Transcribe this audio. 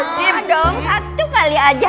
sim dong satu kali aja